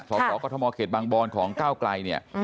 สอสอกธมเกษตรบางบอนของก้าวกลายเนี่ย